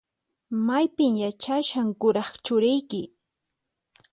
Maypin yachashan kuraq churiyki?